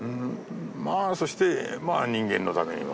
まあそして人間のためにも。